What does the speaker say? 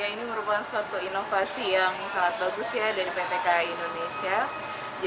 ini merupakan suatu inovasi yang sangat bagus ya dari pt kai indonesia